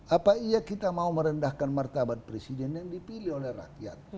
apa iya kita mau merendahkan martabat presiden yang dipilih oleh rakyat